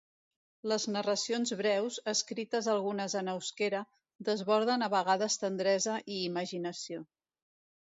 Les narracions breus, escrites algunes en euskera, desborden a vegades tendresa i imaginació.